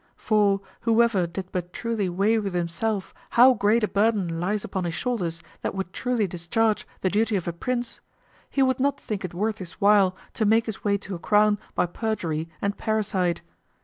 For whoever did but truly weigh with himself how great a burden lies upon his shoulders that would truly discharge the duty of a prince, he would not think it worth his while to make his way to a crown by perjury and parricide.